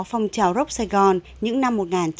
phong trào rock sài gòn những năm một nghìn chín trăm bảy mươi